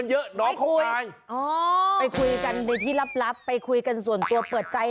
ยังไงนะครับยังไง